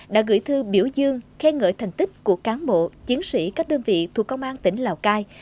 đã gửi thư biểu dương khen ngợi thành tích của cán bộ chiến sĩ các đơn vị thuộc công an tỉnh lào cai